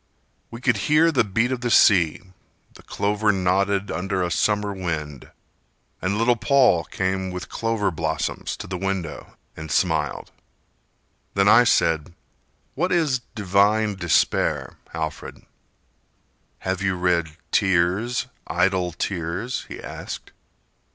We could hear the beat of the sea, the clover nodded Under a summer wind, and little Paul came With clover blossoms to the window and smiled. Then I said: "What is 'divine despair,' Alfred?" "Have you read 'Tears, Idle Tears'?" he asked.